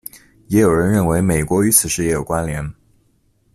也有人认为美国与此事也有关连。